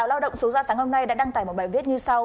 báo lao động số ra sáng hôm nay đã đăng tải một bài viết như sau